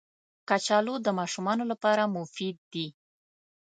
کچالو د ماشومانو لپاره مفید دي